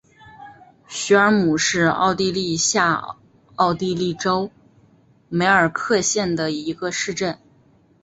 许尔姆是奥地利下奥地利州梅尔克县的一个市镇。